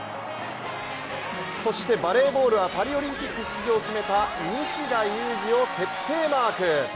そして、バレーボールはパリオリンピック出場を決めた西田有志を徹底マーク。